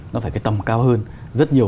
nó phải cái tầm cao hơn rất nhiều